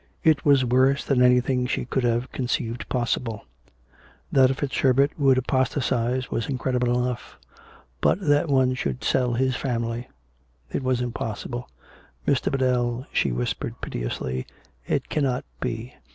It was worse than anything she could have conceived possible. That a FitzHerbert should apostatise was incred ible enough; but that one should sell his family It was impossible. " Mr. Biddell," she whispered piteously, " it cannot be.